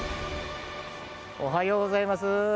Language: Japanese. おはようございます。